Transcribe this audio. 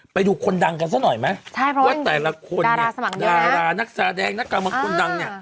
ไปดูคนดังกันซะหน่อยไหมว่าแต่ละคนดารานักศาสตร์แดงนักกำลังคนดัง